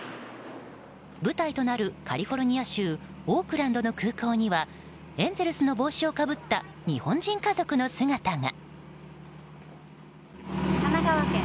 舞台となる、カリフォルニア州オークランドの空港にはエンゼルスの帽子をかぶった日本人家族の姿が。